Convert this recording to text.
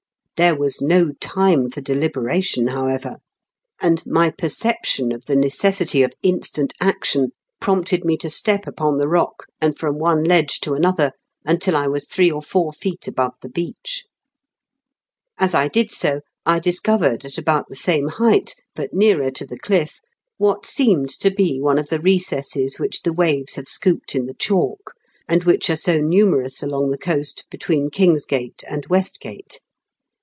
There was no time for deliberation, however, and my perception of the necessity of instant action prompted me to step upon the rock, and from one ledge to another, until I was three or four feet above the beach. As I did so, I discovered at about the same height, but nearer to the cliff, what seemed to be one of the recesses which the waves have scooped in the chalk, and which are so numerous along the coast between Kingsgate and Westgate.